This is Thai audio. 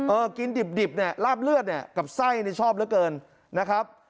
เออกินดิบเนี่ยลาบเลือดกับไส้ชอบเหลือเกินนะครับ